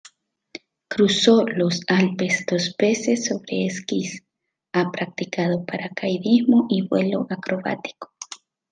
Cruzó los Alpes dos veces sobre esquís, ha practicado paracaidismo y vuelo acrobático.